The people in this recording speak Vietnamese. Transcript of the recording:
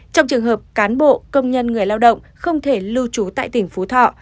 trong trường hợp cán bộ công nhân người lao động không thể lưu trú tại tỉnh phú thọ